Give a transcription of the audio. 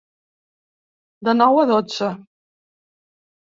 De nou a dotze.